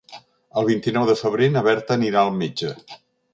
El vint-i-nou de febrer na Berta anirà al metge.